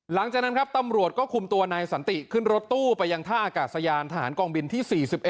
หลังจากนั้นครับตำรวจก็คุมตัวนายสันติขึ้นรถตู้ไปยังท่าอากาศยานทหารกองบินที่๔๑